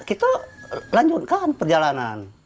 kita lanjutkan perjalanan